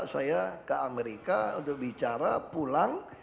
dia minta saya ke amerika untuk bicara pulang